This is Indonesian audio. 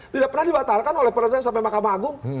tidak pernah dibatalkan oleh perangkat yang sampai mahkamah agung